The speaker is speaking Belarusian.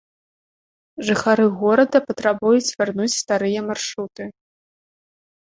Жыхары горада патрабуюць вярнуць старыя маршруты.